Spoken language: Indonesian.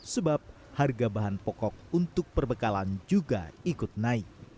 sebab harga bahan pokok untuk perbekalan juga ikut naik